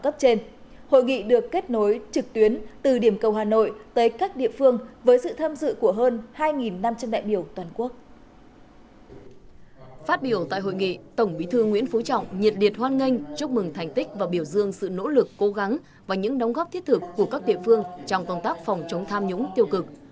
phát biểu tại hội nghị tổng bí thư nguyễn phú trọng nhiệt điệt hoan nghênh chúc mừng thành tích và biểu dương sự nỗ lực cố gắng và những đóng góp thiết thực của các địa phương trong công tác phòng chống tham nhũng tiêu cực